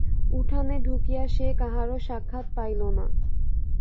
উঠানে ঢুকিয়া সে কাহারও সাক্ষাৎ পাইল না।